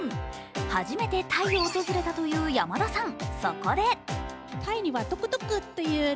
初めてタイを訪れたという山田さん。